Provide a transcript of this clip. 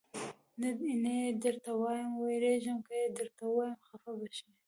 نه یې درته وایم، وېرېږم که یې درته ووایم خفه به شې.